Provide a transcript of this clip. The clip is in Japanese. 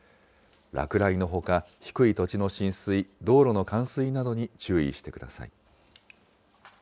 落雷のほか低い土地の浸水、道路の冠水などに注意してください。